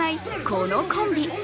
このコンビ。